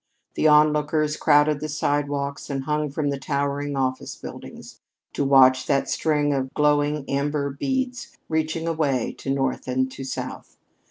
The onlookers crowded the sidewalks and hung from the towering office buildings, to watch that string of glowing amber beads reaching away to north and to south.